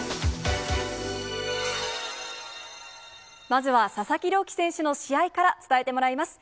まずは佐々木朗希選手の試合から伝えてもらいます。